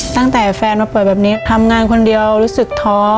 ตั้งแต่แฟนมาเปิดแบบนี้ทำงานคนเดียวรู้สึกท้อ